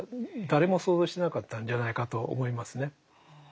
誰も想像してなかったんじゃないかと思いますね。